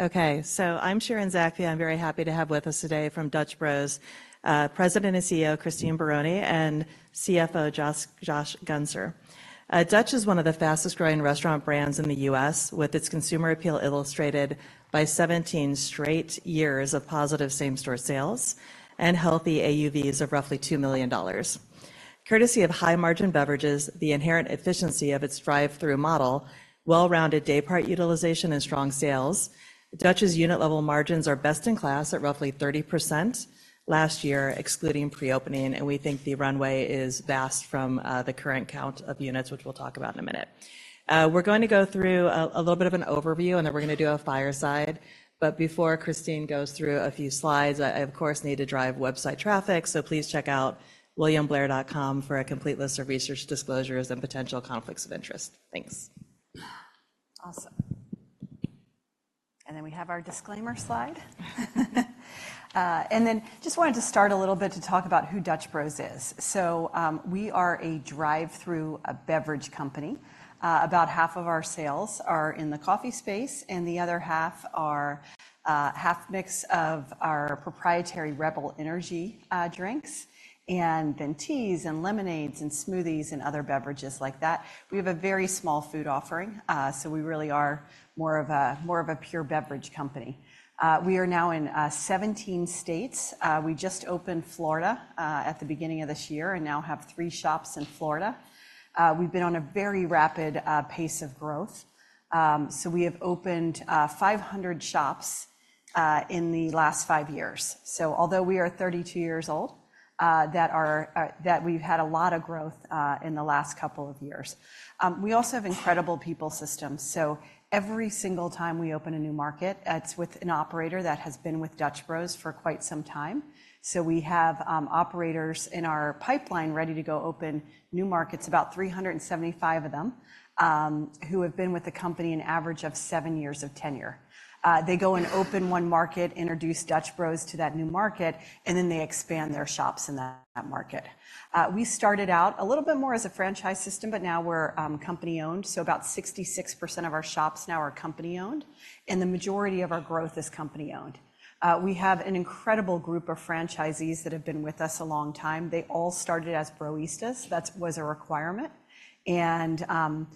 Okay, so I'm Sharon Zackfia. I'm very happy to have with us today from Dutch Bros, President and CEO, Christine Barone, and CFO, Josh Guenser. Dutch is one of the fastest-growing restaurant brands in the U.S., with its consumer appeal illustrated by 17 straight years of positive same-store sales and healthy AUVs of roughly $2 million. Courtesy of high-margin beverages, the inherent efficiency of its drive-thru model, well-rounded day part utilization, and strong sales, Dutch's unit level margins are best in class at roughly 30% last year, excluding pre-opening, and we think the runway is vast from the current count of units, which we'll talk about in a minute. We're going to go through a little bit of an overview, and then we're going to do a fireside. Before Christine goes through a few slides, I, of course, need to drive website traffic, so please check out williamblair.com for a complete list of research disclosures and potential conflicts of interest. Thanks. Awesome. And then we have our disclaimer slide. And then just wanted to start a little bit to talk about who Dutch Bros is. So, we are a drive-thru beverage company. About half of our sales are in the coffee space, and the other half are half mix of our proprietary Rebel energy drinks, and then teas and lemonades and smoothies and other beverages like that. We have a very small food offering, so we really are more of a more of a pure beverage company. We are now in 17 states. We just opened Florida at the beginning of this year and now have 3 shops in Florida. We've been on a very rapid pace of growth. So we have opened 500 shops in the last 5 years. So although we are 32 years old, we've had a lot of growth in the last couple of years. We also have incredible people systems, so every single time we open a new market, it's with an operator that has been with Dutch Bros for quite some time. So we have operators in our pipeline ready to go open new markets, about 375 of them, who have been with the company an average of seven years of tenure. They go and open one market, introduce Dutch Bros to that new market, and then they expand their shops in that market. We started out a little bit more as a franchise system, but now we're company-owned. So about 66% of our shops now are company-owned, and the majority of our growth is company-owned. We have an incredible group of franchisees that have been with us a long time. They all started as Broistas. That was a requirement and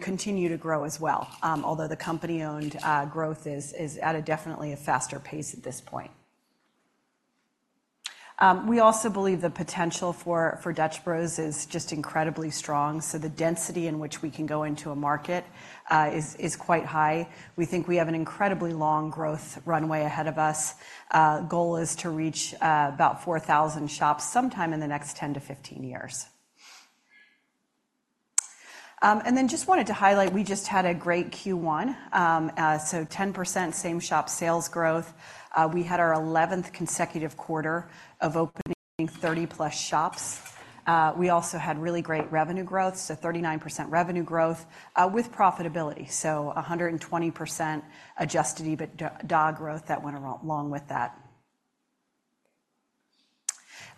continue to grow as well, although the company-owned growth is at a definitely a faster pace at this point. We also believe the potential for Dutch Bros is just incredibly strong, so the density in which we can go into a market is quite high. We think we have an incredibly long growth runway ahead of us. Goal is to reach about 4,000 shops sometime in the next 10-15 years. And then just wanted to highlight, we just had a great Q1, so 10% same-shop sales growth. We had our 11th consecutive quarter of opening 30+ shops. We also had really great revenue growth, so 39% revenue growth, with profitability, so 120% adjusted EBITDA growth that went along with that.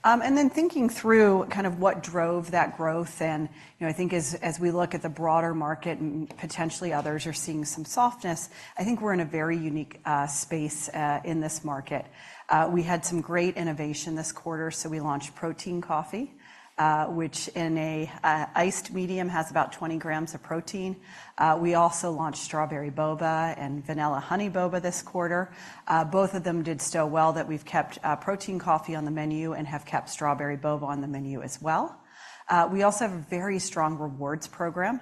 And then thinking through kind of what drove that growth, and, you know, I think as we look at the broader market and potentially others are seeing some softness, I think we're in a very unique space in this market. We had some great innovation this quarter, so we launched protein coffee, which in an iced medium has about 20 grams of protein. We also launched strawberry boba and vanilla honey boba this quarter. Both of them did so well that we've kept protein coffee on the menu and have kept strawberry boba on the menu as well. We also have a very strong rewards program.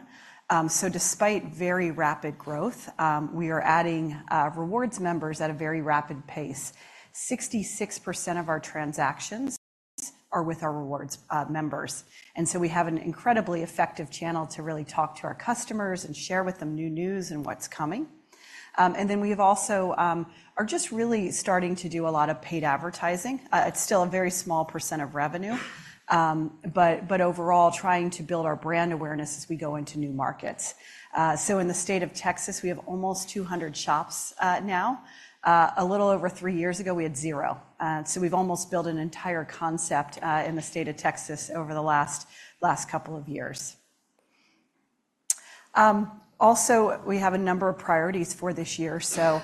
So despite very rapid growth, we are adding rewards members at a very rapid pace. 66% of our transactions are with our rewards members, and so we have an incredibly effective channel to really talk to our customers and share with them new news and what's coming. And then we've also are just really starting to do a lot of paid advertising. It's still a very small percent of revenue, but, but overall, trying to build our brand awareness as we go into new markets. So in the state of Texas, we have almost 200 shops now. A little over 3 years ago, we had 0. So we've almost built an entire concept in the state of Texas over the last, last couple of years. Also, we have a number of priorities for this year. So,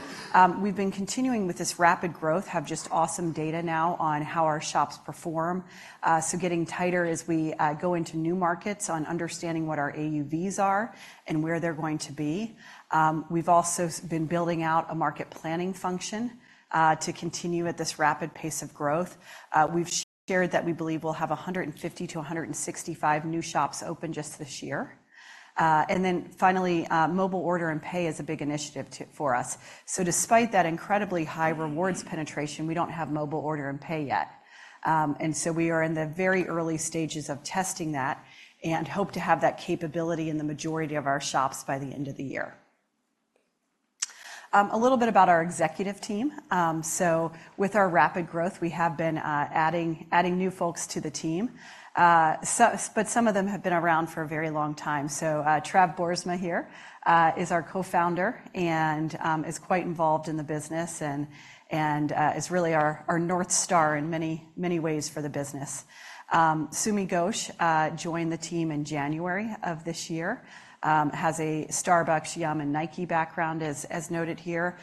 we've been continuing with this rapid growth, have just awesome data now on how our shops perform. So getting tighter as we go into new markets on understanding what our AUVs are and where they're going to be. We've also been building out a market planning function to continue at this rapid pace of growth. We've shared that we believe we'll have 150-165 new shops open just this year. And then finally, mobile order and pay is a big initiative for us. So despite that incredibly high rewards penetration, we don't have mobile order and pay yet. And so we are in the very early stages of testing that and hope to have that capability in the majority of our shops by the end of the year. A little bit about our executive team. So with our rapid growth, we have been adding new folks to the team. But some of them have been around for a very long time. Travis Boersma here is our co-founder and is quite involved in the business and is really our North Star in many ways for the business. Sumitro Ghosh joined the team in January of this year, has a Starbucks, Yum! and Nike background, as noted here.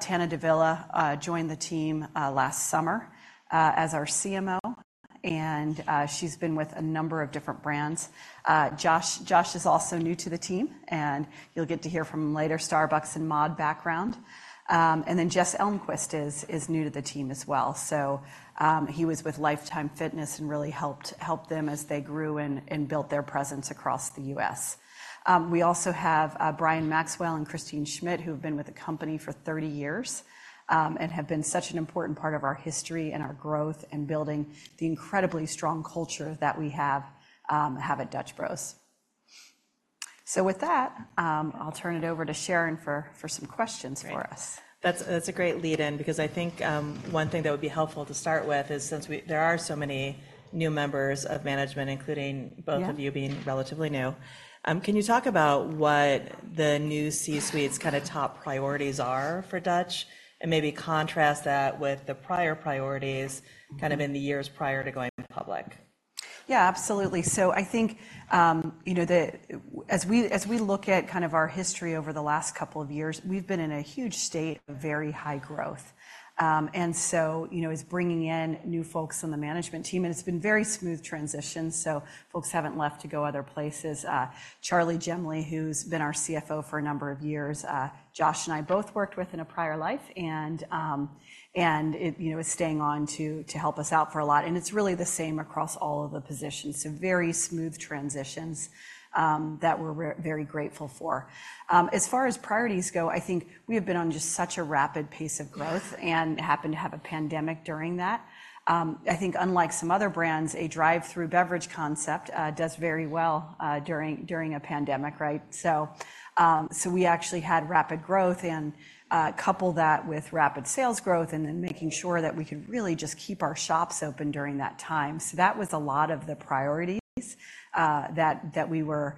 Tana Davila joined the team last summer as our CMO, and she's been with a number of different brands. Josh is also new to the team, and you'll get to hear from him later, Starbucks and MOD background. And then Jess Elmquist is new to the team as well. He was with Life Time Fitness and really helped them as they grew and built their presence across the U.S. We also have Brian Maxwell and Kristin Schmidt, who have been with the company for 30 years, and have been such an important part of our history and our growth and building the incredibly strong culture that we have at Dutch Bros. With that, I'll turn it over to Sharon for some questions for us. Great. That's, that's a great lead-in, because I think one thing that would be helpful to start with is since we, there are so many new members of management, including both- Yeah... of you being relatively new. Can you talk about what the new C-suite's kind of top priorities are for Dutch? And maybe contrast that with the prior priorities kind of in the years prior to going public. Yeah, absolutely. So I think, you know, as we look at kind of our history over the last couple of years, we've been in a huge state of very high growth. And so, you know, is bringing in new folks on the management team, and it's been very smooth transitions, so folks haven't left to go other places. Charley Jemley, who's been our CFO for a number of years, Josh and I both worked with in a prior life, and it, you know, is staying on to help us out for a lot, and it's really the same across all of the positions. So very smooth transitions that we're very grateful for. As far as priorities go, I think we have been on just such a rapid pace of growth and happened to have a pandemic during that. I think unlike some other brands, a drive-thru beverage concept does very well during a pandemic, right? So, so we actually had rapid growth and couple that with rapid sales growth and then making sure that we could really just keep our shops open during that time. So that was a lot of the priorities that we were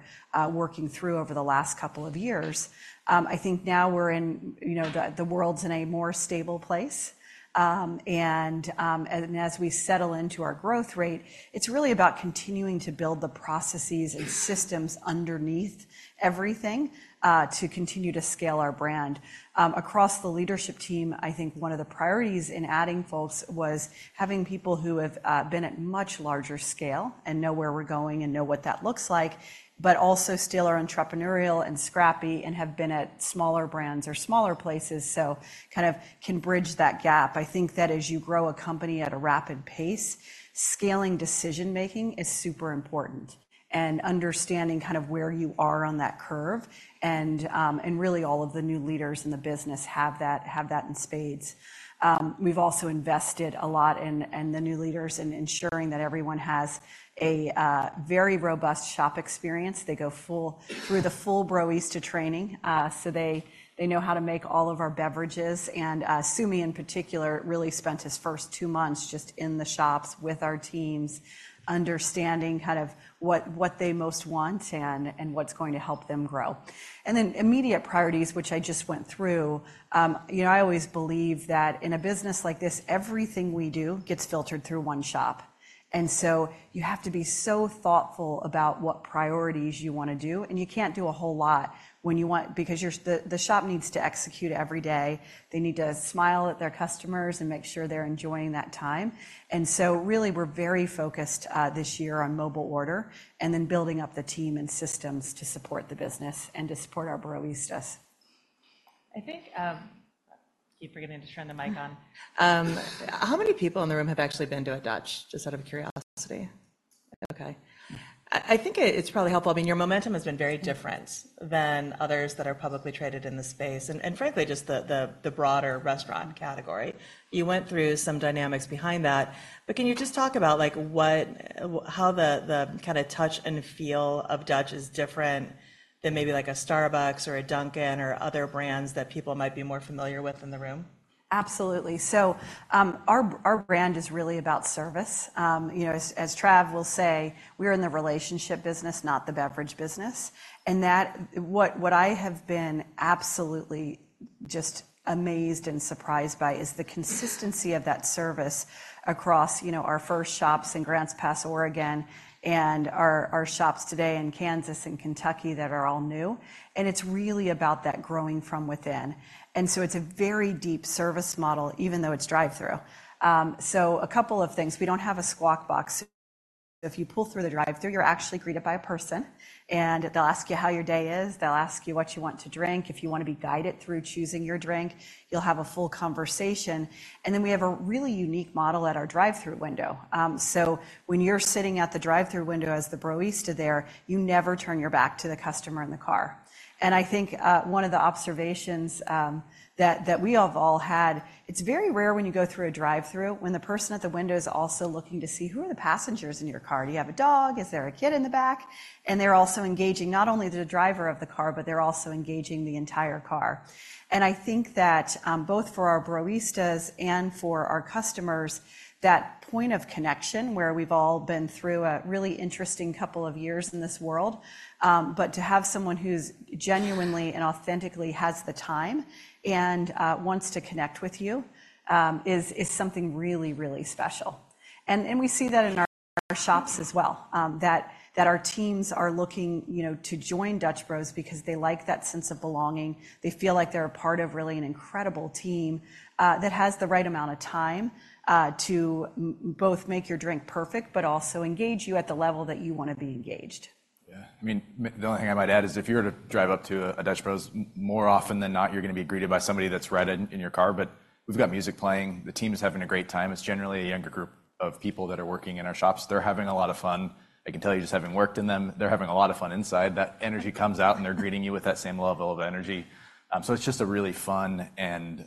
working through over the last couple of years. I think now we're in, you know, the world's in a more stable place, and as we settle into our growth rate, it's really about continuing to build the processes and systems underneath everything to continue to scale our brand. Across the leadership team, I think one of the priorities in adding folks was having people who have been at much larger scale and know where we're going and know what that looks like, but also still are entrepreneurial and scrappy and have been at smaller brands or smaller places, so kind of can bridge that gap. I think that as you grow a company at a rapid pace, scaling decision making is super important and understanding kind of where you are on that curve, and really all of the new leaders in the business have that, have that in spades. We've also invested a lot in, in the new leaders in ensuring that everyone has a very robust shop experience. They go through the full Broista training, so they, they know how to make all of our beverages. Sumi, in particular, really spent his first two months just in the shops with our teams, understanding kind of what they most want and what's going to help them grow. And then immediate priorities, which I just went through, you know, I always believe that in a business like this, everything we do gets filtered through one shop, and so you have to be so thoughtful about what priorities you want to do, and you can't do a whole lot when you want—because your, the shop needs to execute every day. They need to smile at their customers and make sure they're enjoying that time. And so really, we're very focused this year on mobile order and then building up the team and systems to support the business and to support our Broistas. I think, I keep forgetting to turn the mic on. How many people in the room have actually been to a Dutch, just out of curiosity? Okay. I think it's probably helpful. I mean, your momentum has been very different than others that are publicly traded in the space, and frankly, just the broader restaurant category. You went through some dynamics behind that, but can you just talk about, like, what how the kind of touch and feel of Dutch is different than maybe like a Starbucks or a Dunkin' or other brands that people might be more familiar with in the room? Absolutely. So, our brand is really about service. You know, as Trav will say, we're in the relationship business, not the beverage business, and that, what I have been absolutely just amazed and surprised by is the consistency of that service across, you know, our first shops in Grants Pass, Oregon, and our shops today in Kansas and Kentucky that are all new, and it's really about that growing from within. And so it's a very deep service model, even though it's drive-thru. So a couple of things. We don't have a squawk box. If you pull through the drive-thru, you're actually greeted by a person, and they'll ask you how your day is, they'll ask you what you want to drink. If you want to be guided through choosing your drink, you'll have a full conversation, and then we have a really unique model at our drive-thru window. So when you're sitting at the drive-thru window as the Broista there, you never turn your back to the customer in the car. And I think, one of the observations that we have all had, it's very rare when you go through a drive-thru, when the person at the window is also looking to see who are the passengers in your car. Do you have a dog? Is there a kid in the back? And they're also engaging not only the driver of the car, but they're also engaging the entire car. And I think that, both for our Broistas and for our customers, that point of connection, where we've all been through a really interesting couple of years in this world, but to have someone who's genuinely and authentically has the time and, wants to connect with you, is, is something really, really special. And we see that in our shops as well, that our teams are looking, you know, to join Dutch Bros because they like that sense of belonging. They feel like they're a part of really an incredible team, that has the right amount of time, to both make your drink perfect, but also engage you at the level that you want to be engaged. Yeah. I mean, the only thing I might add is if you were to drive up to a Dutch Bros, more often than not, you're going to be greeted by somebody that's right in your car, but we've got music playing. The team is having a great time. It's generally a younger group of people that are working in our shops. They're having a lot of fun. I can tell you, just having worked in them, they're having a lot of fun inside. That energy comes out, and they're greeting you with that same level of energy. So it's just a really fun and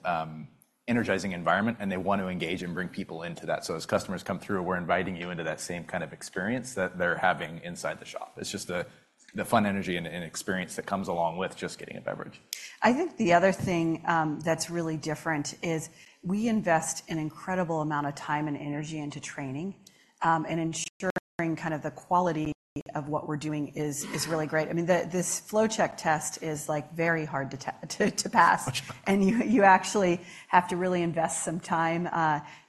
energizing environment, and they want to engage and bring people into that. So as customers come through, we're inviting you into that same kind of experience that they're having inside the shop. It's just the fun energy and experience that comes along with just getting a beverage. I think the other thing that's really different is we invest an incredible amount of time and energy into training and ensuring kind of the quality of what we're doing is really great. I mean, this flow check test is, like, very hard to pass. You actually have to really invest some time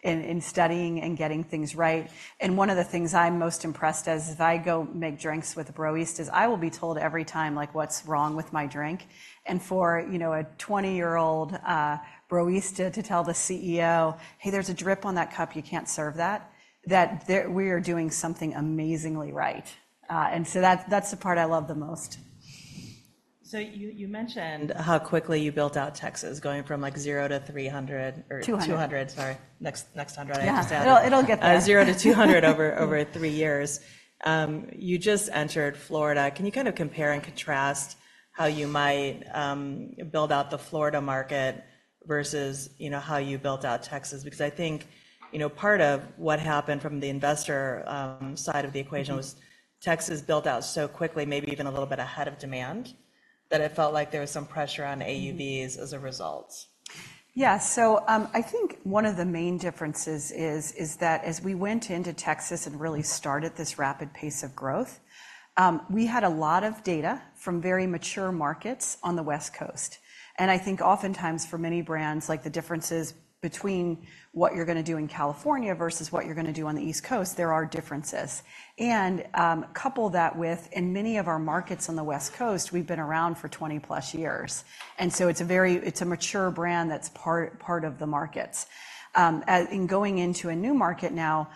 in studying and getting things right. One of the things I'm most impressed as if I go make drinks with a Broista is I will be told every time, like, what's wrong with my drink, and for, you know, a 20-year-old Broista to tell the CEO, "Hey, there's a drip on that cup, you can't serve that," that there we are doing something amazingly right. And so that, that's the part I love the most. So you mentioned how quickly you built out Texas, going from, like, 0 to 300 or- Two hundred. 200, sorry. Next 100, I just added- Yeah. It, it'll get there. 0-200 over 3 years. You just entered Florida. Can you kind of compare and contrast how you might build out the Florida market versus, you know, how you built out Texas? Because I think, you know, part of what happened from the investor side of the equation- Mm-hmm... was Texas built out so quickly, maybe even a little bit ahead of demand, that it felt like there was some pressure on AUVs as a result. Yeah. So, I think one of the main differences is that as we went into Texas and really started this rapid pace of growth, we had a lot of data from very mature markets on the West Coast. And I think oftentimes for many brands, like the differences between what you're going to do in California versus what you're going to do on the East Coast, there are differences. And, couple that with, in many of our markets on the West Coast, we've been around for 20+ years, and so it's a very, it's a mature brand that's part of the markets. In going into a new market now,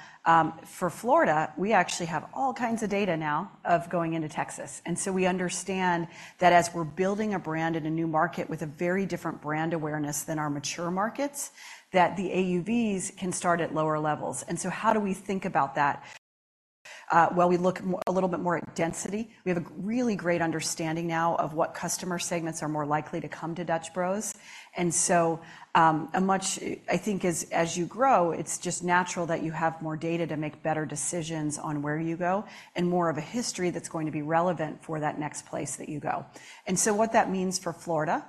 for Florida, we actually have all kinds of data now of going into Texas, and so we understand that as we're building a brand in a new market with a very different brand awareness than our mature markets, that the AUVs can start at lower levels. And so how do we think about that? Well, we look more, a little bit more at density. We have a really great understanding now of what customer segments are more likely to come to Dutch Bros, and so, a much-- I think as you grow, it's just natural that you have more data to make better decisions on where you go and more of a history that's going to be relevant for that next place that you go. And so what that means for Florida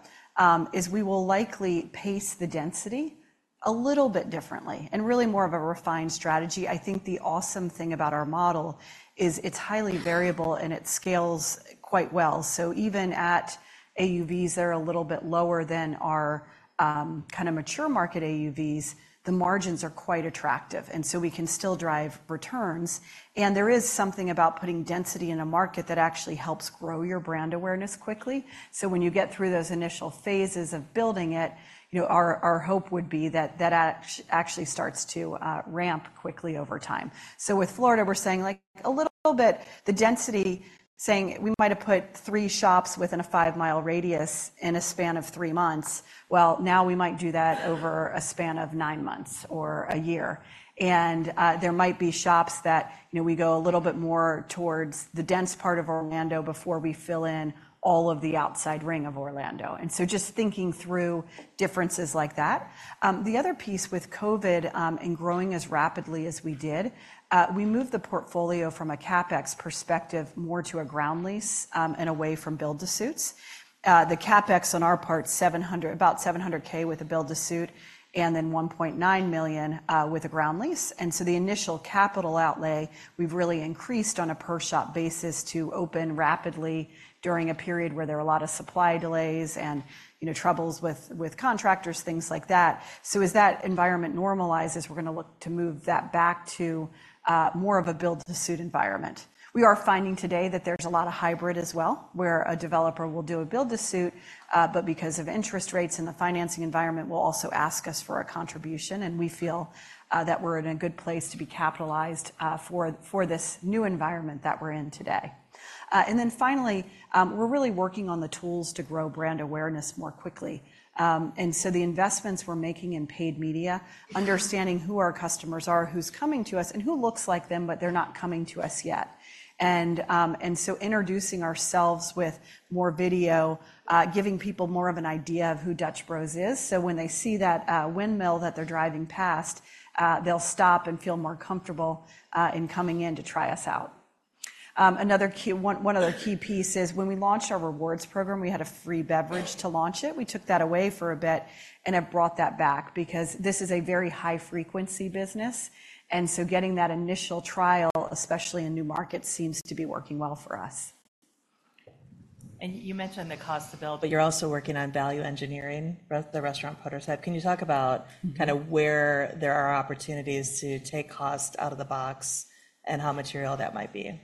is we will likely pace the density a little bit differently and really more of a refined strategy. I think the awesome thing about our model is it's highly variable, and it scales quite well. So even at AUVs that are a little bit lower than our kind of mature market AUVs, the margins are quite attractive, and so we can still drive returns. And there is something about putting density in a market that actually helps grow your brand awareness quickly. So when you get through those initial phases of building it, you know, our hope would be that that actually starts to ramp quickly over time. So with Florida, we're saying, like, a little bit the density, saying we might have put three shops within a five-mile radius in a span of three months. Well, now we might do that over a span of 9 months or a year, and there might be shops that, you know, we go a little bit more towards the dense part of Orlando before we fill in all of the outside ring of Orlando. And so just thinking through differences like that. The other piece with COVID, and growing as rapidly as we did, we moved the portfolio from a CapEx perspective more to a ground lease, and away from build-to-suits. The CapEx on our part, $700, about $700K with a build-to-suit, and then $1.9 million with a ground lease. The initial capital outlay, we've really increased on a per-shop basis to open rapidly during a period where there are a lot of supply delays and, you know, troubles with contractors, things like that. As that environment normalizes, we're going to look to move that back to more of a build-to-suit environment. We are finding today that there's a lot of hybrid as well, where a developer will do a build-to-suit, but because of interest rates and the financing environment, will also ask us for a contribution, and we feel that we're in a good place to be capitalized for this new environment that we're in today. Then finally, we're really working on the tools to grow brand awareness more quickly. And so the investments we're making in paid media, understanding who our customers are, who's coming to us, and who looks like them, but they're not coming to us yet. And so introducing ourselves with more video, giving people more of an idea of who Dutch Bros is, so when they see that windmill that they're driving past, they'll stop and feel more comfortable in coming in to try us out. Another key one of the key pieces, when we launched our rewards program, we had a free beverage to launch it. We took that away for a bit and have brought that back because this is a very high-frequency business, and so getting that initial trial, especially in new markets, seems to be working well for us.... And you mentioned the cost to build, but you're also working on value engineering regarding the restaurant operator side. Can you talk about- Mm-hmm. kind of where there are opportunities to take cost out of the box and how material that might be?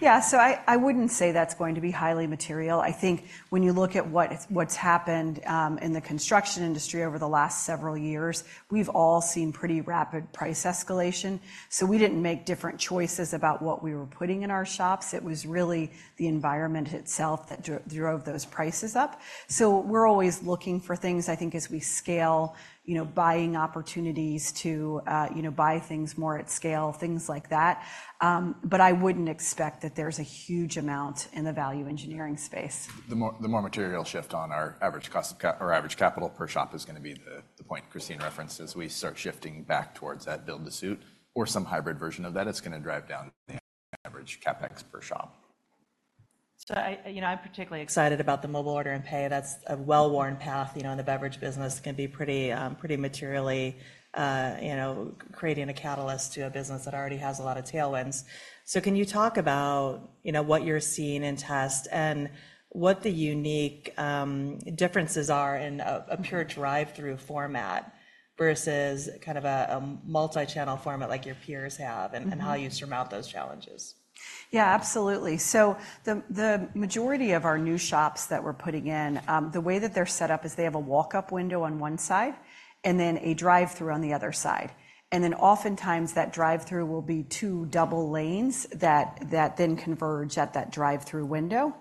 Yeah, so I wouldn't say that's going to be highly material. I think when you look at what's happened in the construction industry over the last several years, we've all seen pretty rapid price escalation. So we didn't make different choices about what we were putting in our shops. It was really the environment itself that drove those prices up. So we're always looking for things, I think, as we scale, you know, buying opportunities to, you know, buy things more at scale, things like that. But I wouldn't expect that there's a huge amount in the value engineering space. The more material shift on our average capital per shop is going to be the point Christine referenced as we start shifting back towards that build-to-suit or some hybrid version of that. It's going to drive down the average CapEx per shop. So I, you know, I'm particularly excited about the mobile order and pay. That's a well-worn path, you know, in the beverage business. Can be pretty, pretty materially, you know, creating a catalyst to a business that already has a lot of tailwinds. So can you talk about, you know, what you're seeing in test and what the unique differences are in a pure drive-through format versus kind of a multi-channel format like your peers have- Mm-hmm. and how you surmount those challenges? Yeah, absolutely. So the majority of our new shops that we're putting in, the way that they're set up is they have a walk-up window on one side and then a drive-through on the other side, and then oftentimes that drive-through will be two double lanes that then converge at that drive-through window.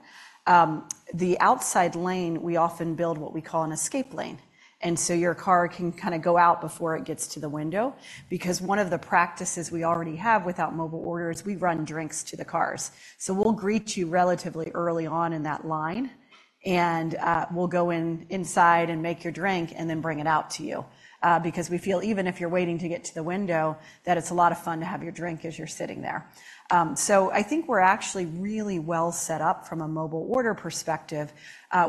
The outside lane, we often build what we call an escape lane, and so your car can kind of go out before it gets to the window because one of the practices we already have without mobile order is we run drinks to the cars. So we'll greet you relatively early on in that line, and we'll go inside and make your drink and then bring it out to you. Because we feel even if you're waiting to get to the window, that it's a lot of fun to have your drink as you're sitting there. So I think we're actually really well set up from a mobile order perspective,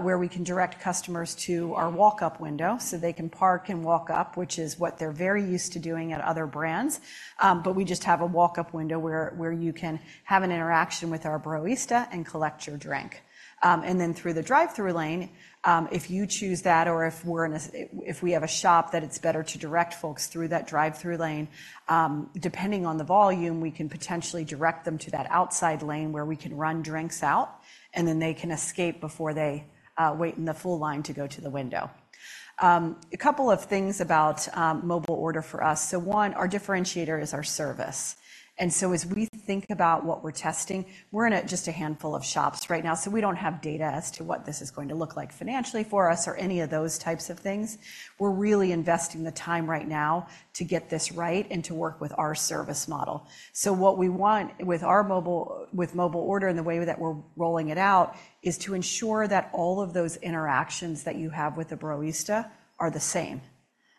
where we can direct customers to our walk-up window so they can park and walk up, which is what they're very used to doing at other brands. But we just have a walk-up window where you can have an interaction with our Broista and collect your drink. And then through the drive-thru lane, if you choose that or if we have a shop that it's better to direct folks through that drive-thru lane, depending on the volume, we can potentially direct them to that outside lane where we can run drinks out, and then they can escape before they wait in the full line to go to the window. A couple of things about mobile order for us. So one, our differentiator is our service, and so as we think about what we're testing, we're in just a handful of shops right now, so we don't have data as to what this is going to look like financially for us or any of those types of things. We're really investing the time right now to get this right and to work with our service model. So what we want with our mobile order and the way that we're rolling it out is to ensure that all of those interactions that you have with a Broista are the same.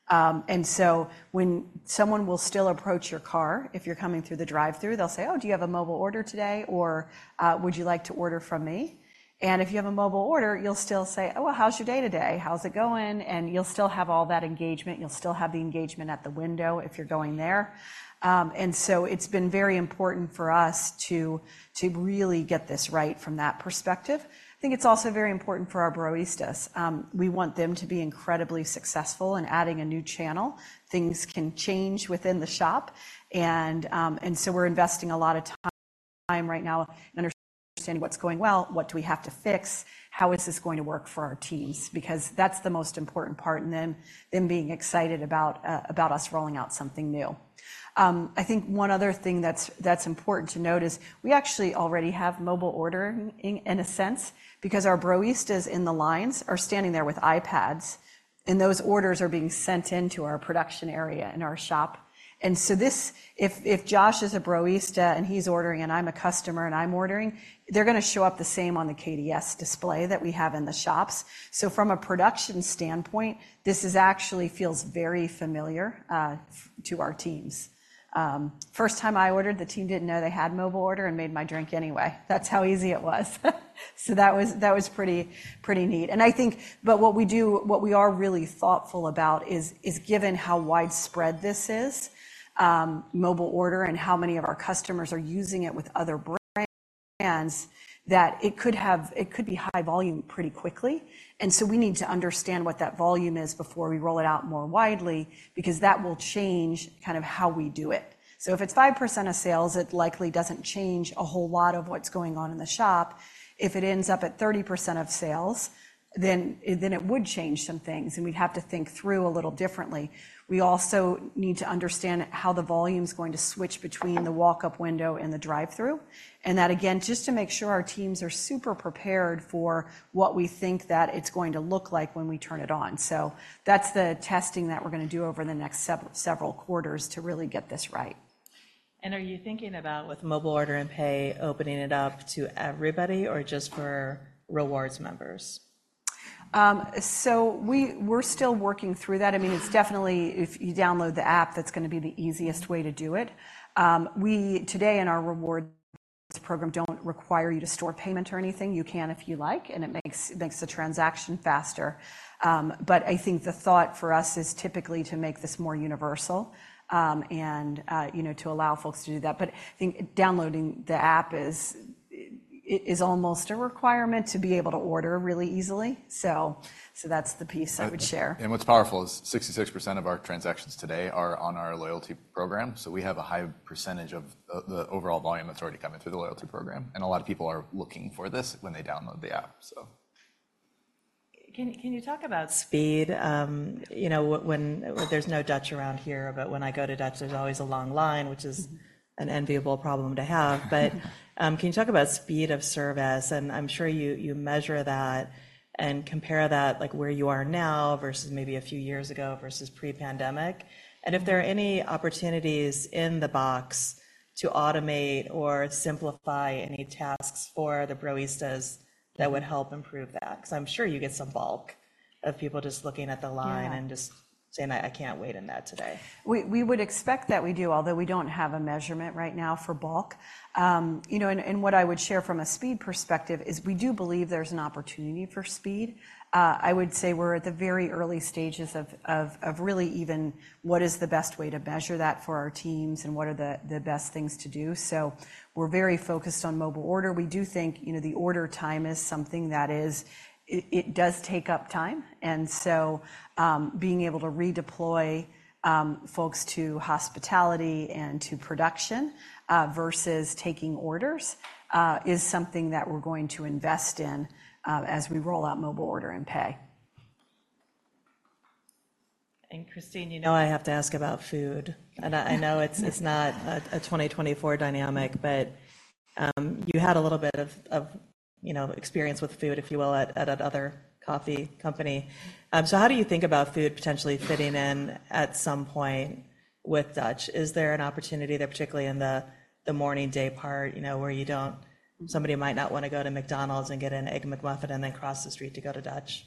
And so when someone will still approach your car, if you're coming through the drive-through, they'll say, "Oh, do you have a mobile order today?" or "Would you like to order from me?" And if you have a mobile order, you'll still say, "Oh, well, how's your day today? How's it going?" And you'll still have all that engagement. You'll still have the engagement at the window if you're going there. And so it's been very important for us to really get this right from that perspective. I think it's also very important for our Broistas. We want them to be incredibly successful in adding a new channel. Things can change within the shop, and so we're investing a lot of time right now in understanding what's going well, what do we have to fix, how is this going to work for our teams? Because that's the most important part, and them being excited about us rolling out something new. I think one other thing that's important to note is we actually already have mobile ordering in a sense because our Broistas in the lines are standing there with iPads, and those orders are being sent into our production area in our shop. And so this, if Josh is a Broista and he's ordering, and I'm a customer and I'm ordering, they're going to show up the same on the KDS display that we have in the shops. So from a production standpoint, this actually feels very familiar to our teams. First time I ordered, the team didn't know they had mobile order and made my drink anyway. That's how easy it was. So that was, that was pretty, pretty neat. And I think, but what we do, what we are really thoughtful about is, is given how widespread this is, mobile order, and how many of our customers are using it with other brands, that it could have it could be high volume pretty quickly, and so we need to understand what that volume is before we roll it out more widely, because that will change kind of how we do it. So if it's 5% of sales, it likely doesn't change a whole lot of what's going on in the shop. If it ends up at 30% of sales, then it would change some things, and we'd have to think through a little differently. We also need to understand how the volume is going to switch between the walk-up window and the drive-through, and that again, just to make sure our teams are super prepared for what we think that it's going to look like when we turn it on. So that's the testing that we're going to do over the next several quarters to really get this right. Are you thinking about with mobile order and pay, opening it up to everybody or just for rewards members? So, we're still working through that. I mean, it's definitely, if you download the app, that's going to be the easiest way to do it. Today in our reward program, we don't require you to store payment or anything. You can if you like, and it makes, it makes the transaction faster. But I think the thought for us is typically to make this more universal, and, you know, to allow folks to do that. But I think downloading the app is, it is almost a requirement to be able to order really easily. So, so that's the piece I would share. What's powerful is 66% of our transactions today are on our loyalty program, so we have a high percentage of the overall volume that's already coming through the loyalty program, and a lot of people are looking for this when they download the app, so. Can you talk about speed? You know, when there's no Dutch around here, but when I go to Dutch, there's always a long line, which is an enviable problem to have. But can you talk about speed of service? And I'm sure you measure that and compare that, like, where you are now versus maybe a few years ago versus pre-pandemic, and if there are any opportunities in the box to automate or simplify any tasks for the baristas that would help improve that? 'Cause I'm sure you get some bulk of people just looking at the line. Yeah. and just saying, "I can't wait in that today. We would expect that we do, although we don't have a measurement right now for bulk. You know, and what I would share from a speed perspective is we do believe there's an opportunity for speed. I would say we're at the very early stages of really even what is the best way to measure that for our teams and what are the best things to do. So we're very focused on mobile order. We do think, you know, the order time is something that is... It does take up time, and so, being able to redeploy folks to hospitality and to production versus taking orders is something that we're going to invest in as we roll out mobile order and pay. Christine, you know I have to ask about food, and I- I know it's not a 2024 dynamic, but you had a little bit of, you know, experience with food, if you will, at another coffee company. So how do you think about food potentially fitting in at some point with Dutch? Is there an opportunity there, particularly in the morning day part, you know, where you don't, somebody might not want to go to McDonald's and get an Egg McMuffin and then cross the street to go to Dutch?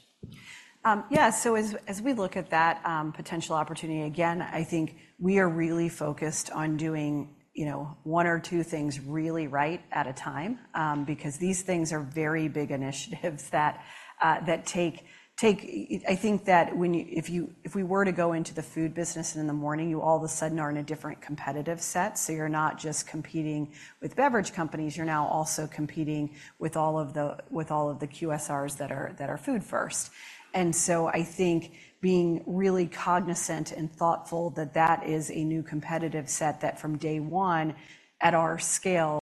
Yeah. So as, as we look at that, potential opportunity, again, I think we are really focused on doing, you know, one or two things really right at a time, because these things are very big initiatives that, that take-- I think that when you, if you, if we were to go into the food business and in the morning, you all of a sudden are in a different competitive set. So you're not just competing with beverage companies, you're now also competing with all of the QSRs that are food first. And so I think being really cognizant and thoughtful that that is a new competitive set that from day one, at our scale,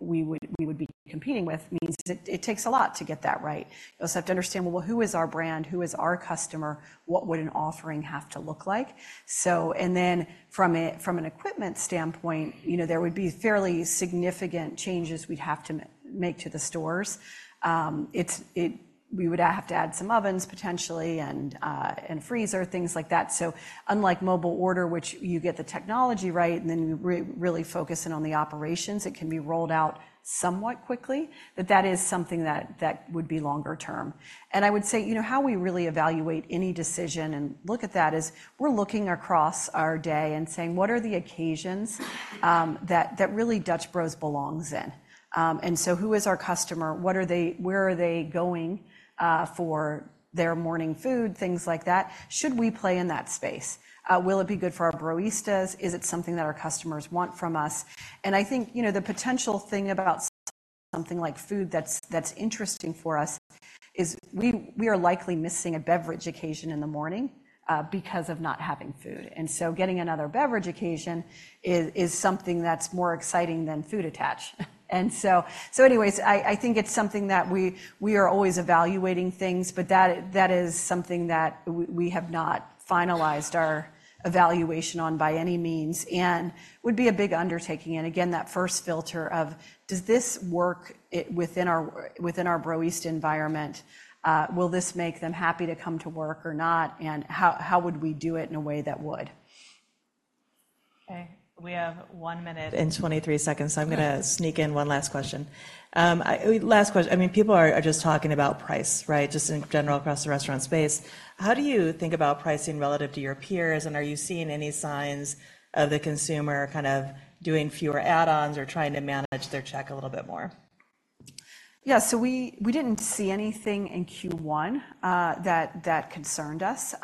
we would be competing with, means it takes a lot to get that right. You also have to understand, well, who is our brand? Who is our customer? What would an offering have to look like? So, and then from a, from an equipment standpoint, you know, there would be fairly significant changes we'd have to make to the stores. It We would have to add some ovens, potentially, and freezer, things like that. So unlike mobile order, which you get the technology right, and then you really focus in on the operations, it can be rolled out somewhat quickly, but that is something that would be longer term. And I would say, you know, how we really evaluate any decision and look at that is we're looking across our day and saying: What are the occasions, that really Dutch Bros belongs in? and so who is our customer? Where are they going for their morning food, things like that. Should we play in that space? Will it be good for our Broistas? Is it something that our customers want from us? And I think, you know, the potential thing about something like food that's interesting for us is we are likely missing a beverage occasion in the morning because of not having food. And so getting another beverage occasion is something that's more exciting than food attach. And so anyways, I think it's something that we are always evaluating things, but that is something that we have not finalized our evaluation on by any means and would be a big undertaking. And again, that first filter of: Does this work within our Broista environment? Will this make them happy to come to work or not, and how would we do it in a way that would? Okay, we have 1 minute and 23 seconds, so I'm going to sneak in one last question. Last question. I mean, people are just talking about price, right? Just in general, across the restaurant space. How do you think about pricing relative to your peers, and are you seeing any signs of the consumer kind of doing fewer add-ons or trying to manage their check a little bit more? Yeah. So we, we didn't see anything in Q1 that, that concerned us.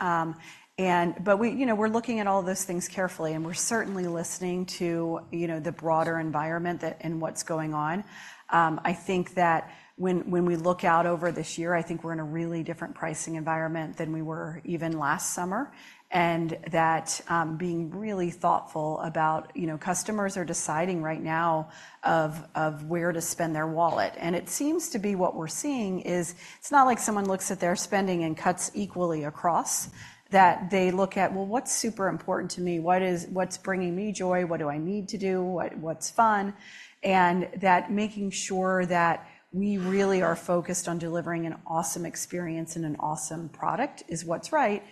But we, you know, we're looking at all those things carefully, and we're certainly listening to, you know, the broader environment that, and what's going on. I think that when, when we look out over this year, I think we're in a really different pricing environment than we were even last summer, and that, being really thoughtful about, you know, customers are deciding right now of, of where to spend their wallet. And it seems to be what we're seeing is it's not like someone looks at their spending and cuts equally across, that they look at, well, what's super important to me? What is, what's bringing me joy? What do I need to do? What, what's fun? That making sure that we really are focused on delivering an awesome experience and an awesome product is what's right,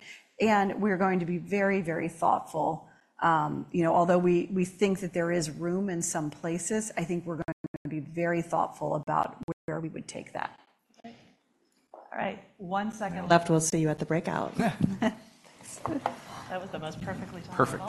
and we're going to be very, very thoughtful. You know, although we think that there is room in some places, I think we're going to be very thoughtful about where we would take that. Great. All right, one second left. We'll see you at the breakout. That was the most perfectly timed. Perfect.